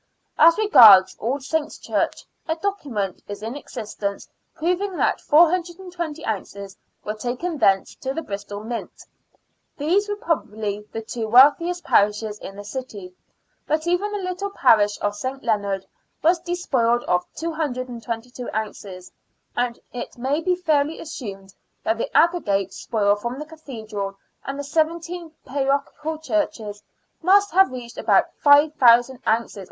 As regards All Saints' Church, a document is in existence proving that 420 ounces were taken thence to the Bristol Mint. These were probably the two wealthiest parishes in the city ; but even the little parish of St. Leonard was despoiled of 222 ounces, and it may be fairly assumed that the aggregate spoil from the Cathedral and the seventeen parochial churches must have reached about 5,000 ounces SPOLIATION OF THE CHURCHES.